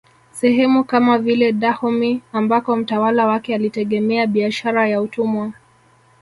Sehemu kama vile Dahomey ambako mtawala wake alitegemea biashara ya utumwa